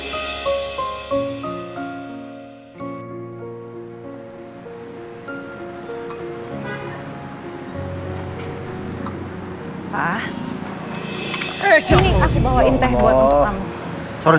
ini aku bawain teh buat untuk kamu